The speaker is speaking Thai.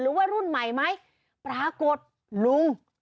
แล้วรุ่นใหม่ไหมปรากฏลุง